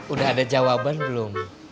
udah ada jawaban belum